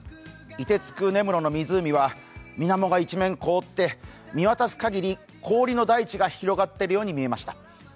凍てつく根室の湖は水面が一面凍って見渡す限り氷の大地が広がっているように見えました。